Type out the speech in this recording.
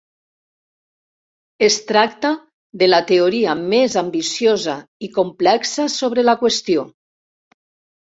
Es tracta de la teoria més ambiciosa i complexa sobre la qüestió.